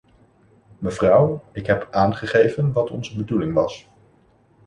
Mevrouw, ik heb aangegeven wat onze bedoeling was.